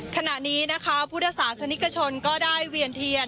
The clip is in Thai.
ขณะนี้นะคะพุทธศาสนิกชนก็ได้เวียนเทียน